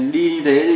đi như thế thì